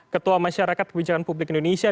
ketua masyarakat kebijakan publik indonesia